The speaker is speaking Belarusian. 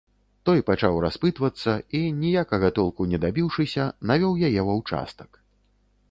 Той пачаў распытвацца і, ніякага толку не дабіўшыся, навёў яе ва ўчастак.